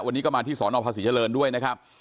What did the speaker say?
วันนี้ก็มาที่สนภาษีเจริญด้วยนะครับ